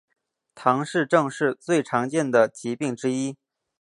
唐氏症是最常见的疾病之一。